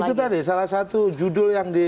itu tadi salah satu judul yang di